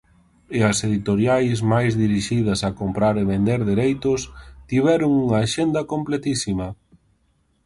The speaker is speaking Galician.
E as editoriais máis dirixidas a comprar e vender dereitos tiveron unha axenda completísima.